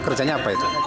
kerjanya apa itu